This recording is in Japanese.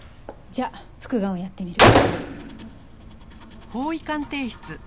じゃあ復顔をやってみる。